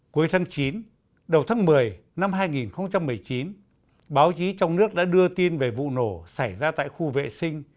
cuối tháng chín đầu tháng một mươi năm hai nghìn một mươi chín báo chí trong nước đã đưa tin về vụ nổ xảy ra tại khu vệ sinh